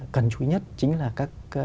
cần chú ý nhất chính là các